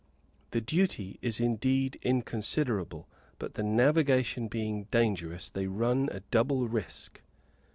The duty is indeed inconsiderable, but the navigation being dangerous, they run a double risk.